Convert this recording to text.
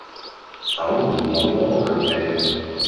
手唔好摸佢哋